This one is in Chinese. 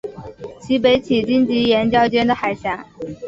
其北起荆棘岩礁间的海峡。